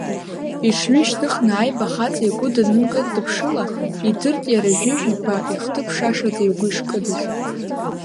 Иҽҩышьҭыхны Аиба ахаҵа игәы данынкыдԥшыла, идырт иара Жәыжә-иԥа ихҭыԥ шашаӡа игәы ишкыдыз.